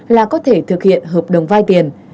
là có thể thực hiện hợp đồng vai tiền